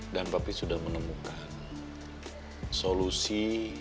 dan papi sudah menemukan solusi